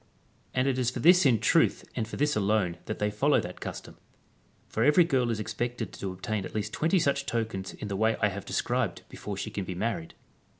And it is for this in truth and for this alone that they follow that custom ; for every girl is expected to obtain at least 20 such tokens in the way I have described before she can be married.